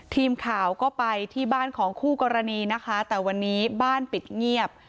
ทีมข่าวก็ไปที่บ้านของคู่กรณีนะคะแต่วันนี้บ้านปิดเงียบ